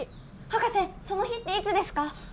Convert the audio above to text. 博士その日っていつですか？